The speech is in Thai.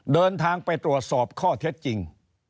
เดินทางไปตรวจสอบข้อเท็จจริง